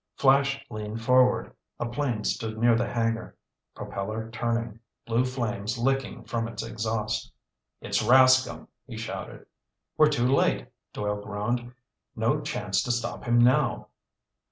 Flash leaned forward. A plane stood near the hangar, propeller turning, blue flames licking from its exhaust. "It's Rascomb!" he shouted. "We're too late," Doyle groaned. "No chance to stop him now."